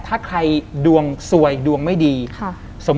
ทำไมเขาถึงจะมาอยู่ที่นั่น